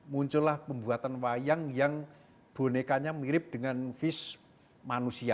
muncullah pembuatan wayang yang bonekanya mirip dengan vis manusia